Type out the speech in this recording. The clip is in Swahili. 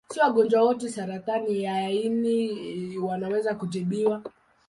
Si wagonjwa wote wa saratani ya ini wanaweza kutibiwa.